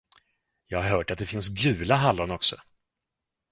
Jag har hört att det finns gula hallon också?